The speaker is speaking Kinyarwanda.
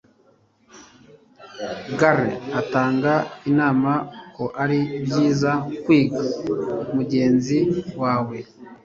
Gary atanga inama ko ari byiza kwiga mugenzi wawe